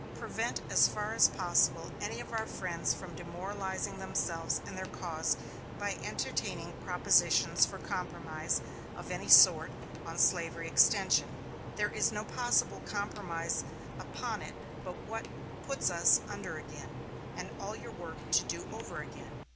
Prevent as far as possible any of our friends from demoralizing themselves and their cause by entertaining propositions for compromise of any sort on slavery extension. There is no possible compromise upon it but what puts us under again, and all our work to do over again.